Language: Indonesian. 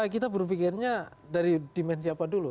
kita berpikirnya dari dimensi apa dulu